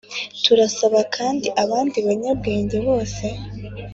turasaba kandi abandi banyabwenge bose